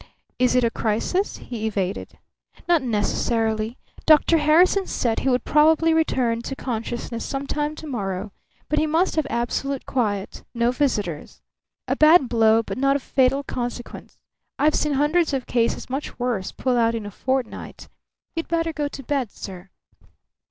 Is it a crisis?" he evaded. "Not necessarily. Doctor Harrison said he would probably return to consciousness sometime to morrow. But he must have absolute quiet. No visitors. A bad blow, but not of fatal consequence. I've seen hundreds of cases much worse pull out in a fortnight. You'd better go to bed, sir."